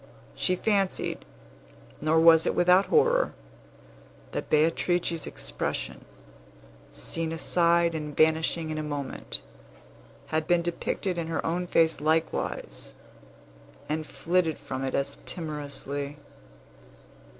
She fancied nor was it without horror that Beatrice's expression, seen aside and vanishing in a moment, had been depicted in her own face likewise, and flitted from it as timorously.